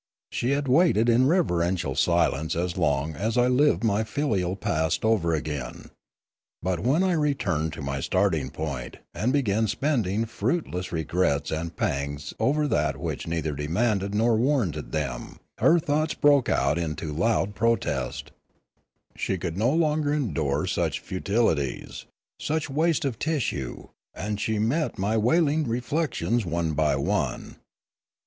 She had waited in reverential silence as long as I lived my filial past over again; but, when I returned to my starting point, and began spending fruitless re grets and pangs over that which neither demanded nor warranted them, her thoughts broke out into loud protest She could no longer endure such futilities, such waste of tissue, and she met my wailing reflections one by one.